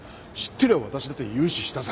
てりゃ私だって融資したさ。